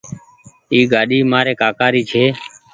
اي گآڏي مآر ڪآڪآ ري ڇي